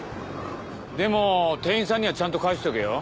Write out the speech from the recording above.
でも店員さんにはちゃんと返しとけよ。